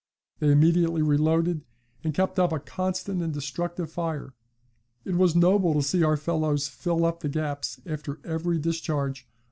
They immediately reloaded, and kept up a constant and destructive fire. It was noble to see our fellows fill up the gaps after every discharge.